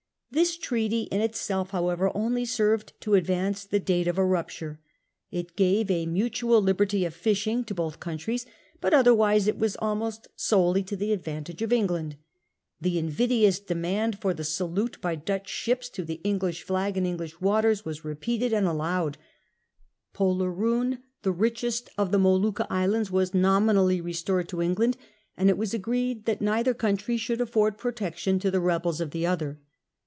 This treaty in itself however only served to advance the date of a rupture. It gave a mutual liberty of fishing to both countries ; but otherwise it was almost solely to the advantage of England. The invidious demand for the salute by Dutch ships to the English flag in English waters was repeated and allowed ; Poleroon, the richest of the Molucca Islands, was nominally restored to England ; and it was agreed that neither country should afford protection to the rebels of the other.